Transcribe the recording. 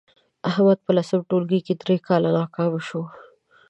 احمد په لسم ټولگي کې درې کاله ناکام شو